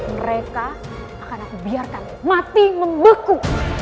mereka akan aku biarkan mati membeku